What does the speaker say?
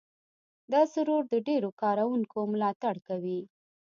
دا سرور د ډېرو کاروونکو ملاتړ کوي.